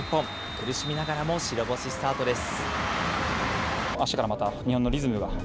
苦しみながらも白星スタートです。